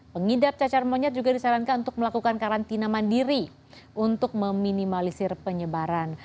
pengidap cacar monyet juga disarankan untuk melakukan karantina mandiri untuk meminimalisir penyebaran